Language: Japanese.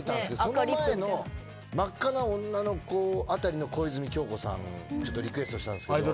その前の『まっ赤な女の子』あたりの小泉今日子さんリクエストしたんすけど。